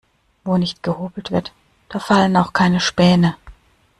Wo nicht gehobelt wird, da fallen auch keine Späne.